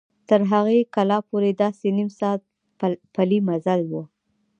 تر هغې کلا پورې داسې نیم ساعت پلي مزل و.